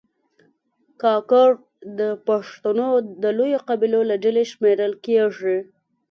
کاکړ د پښتنو د لویو قبیلو له ډلې شمېرل کېږي.